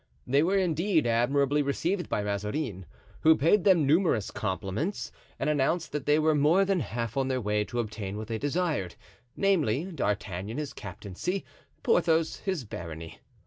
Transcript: They were indeed admirably received by Mazarin, who paid them numerous compliments, and announced that they were more than half on their way to obtain what they desired, namely, D'Artagnan his captaincy, Porthos his barony.